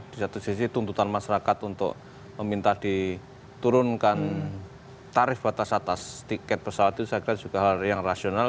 di satu sisi tuntutan masyarakat untuk meminta diturunkan tarif batas atas tiket pesawat itu saya kira juga hal yang rasional